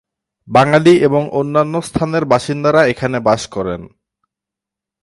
বাঙালি এবং অন্যান্য স্থানের বাসিন্দারা এখানে বাস করেন।